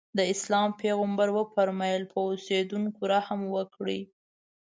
د اسلام پیغمبر وفرمایل په اوسېدونکو رحم وکړئ.